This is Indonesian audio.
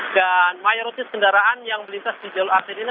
dan mayoritis kendaraan yang berlintas di jalur arteri ini